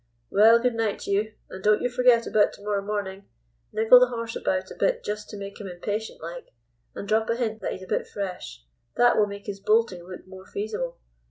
"Well, good night to you, and don't you forget about to morrow morning; niggle the horse about a bit just to make him impatient like, and drop a hint that he's a bit fresh. That will make his bolting look more feasible.